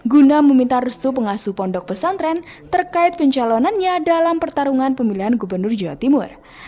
guna meminta restu pengasuh pondok pesantren terkait pencalonannya dalam pertarungan pemilihan gubernur jawa timur